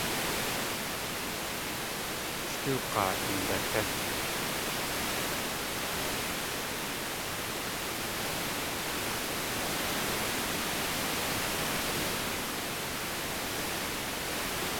Sh tóog̲aa indatí!